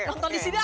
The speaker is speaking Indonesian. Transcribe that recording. nonton di sini dah